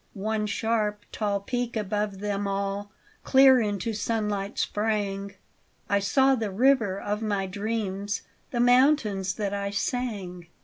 One sharp, tall peak above them all Clear into sunlight sprang I saw the river of my dreams, The mountains that I sang!